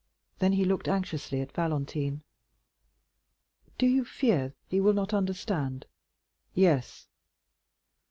Then he looked anxiously at Valentine. "Do you fear he will not understand?" "Yes."